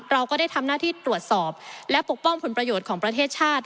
เราก็ได้ทำหน้าที่ตรวจสอบและปกป้องผลประโยชน์ของประเทศชาติ